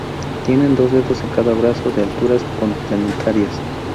Tienen dos dedos en cada brazo, de alturas complementarias.